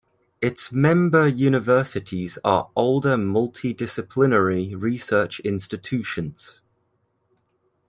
Its member universities are older multi-disciplinary research institutions.